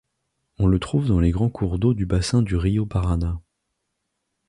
On le trouve dans les grands cours d'eau du bassin du Río Paraná.